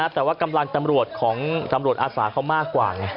แต่ว่ากำลังตำรวจอาสาเขามากกว่า